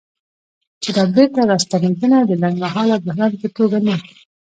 چې دا بیرته راستنېدنه د لنډمهاله بحران په توګه نه